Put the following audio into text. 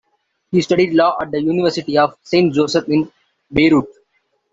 He studied law at the University of Saint Joseph in Beirut.